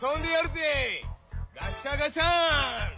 ガッシャガシャン！